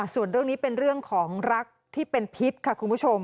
ส่วนเรื่องนี้เป็นเรื่องของรักที่เป็นพิษค่ะคุณผู้ชม